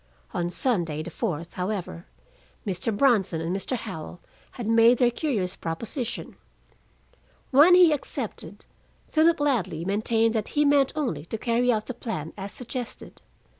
On Sunday, the fourth, however, Mr. Bronson and Mr. Howell had made their curious proposition. When he accepted, Philip Ladley maintained that he meant only to carry out the plan as suggested.